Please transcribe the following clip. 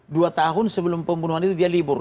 dua tahun sebelum pembunuhan itu dia libur